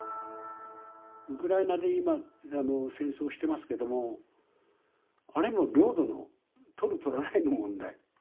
ウクライナで今、戦争してますけれども、あれも領土を取る、取らないの問題。